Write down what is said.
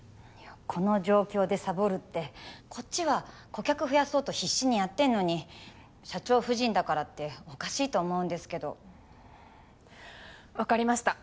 この状況でサボるってこっちは顧客増やそうと必死にやってんのに社長夫人だからっておかしいと思うんですけどわかりました